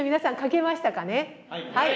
はい。